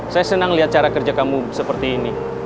saya senang lihat cara kerja kamu seperti ini